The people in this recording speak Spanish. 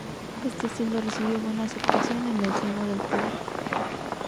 Este estilo recibió buena aceptación en el seno del público.